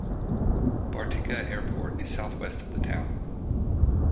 Bartica Airport is southwest of the town.